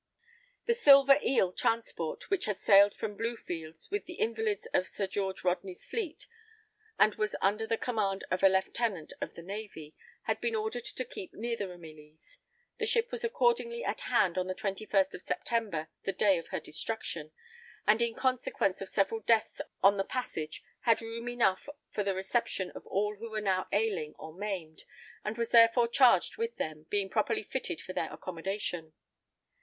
The Silver Eel transport, which had sailed from Bluefields with the invalids of Sir George Rodney's fleet, and was under the command of a lieutenant of the navy, had been ordered to keep near the Ramillies. That ship was accordingly at hand on the 21st of September, the day of her destruction, and in consequence of several deaths on the passage had room enough for the reception of all who were now ailing or maimed, and was therefore charged with them, being properly fitted for their accommodation.